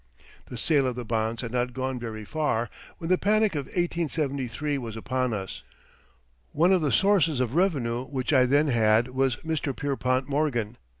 The sale of the bonds had not gone very far when the panic of 1873 was upon us. One of the sources of revenue which I then had was Mr. Pierpont Morgan.